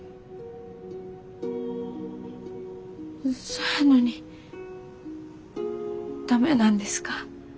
そやのに駄目なんですか？